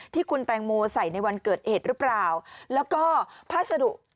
ที่คุณแตงโมใส่ในวันเกิดเหตุหรือเปล่าแล้วก็พัสดุ